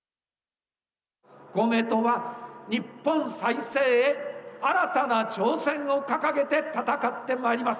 公明党は日本再生へ、新たな挑戦を掲げて戦ってまいります。